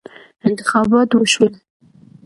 انتخابات وشول.